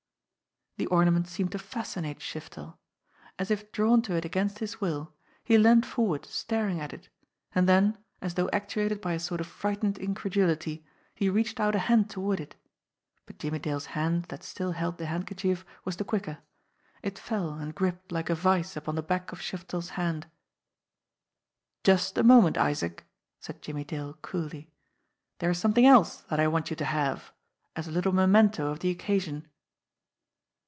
The ornament seemed to fascinate Shiftel. As if drawn to it against his will, he leaned forward staring at it ; and then, as though actuated by a sort of frightened incredulity, he reached out a hand toward it but Jimmie Dale's hand that still held the handkerchief was the quicker. It fell and gripped like a vise upon the back of Shiftel's hand. "Just a moment, Isaac," said Jimmie Dale coolly. "There is something else that I want you to have as a little me mento of the occasion."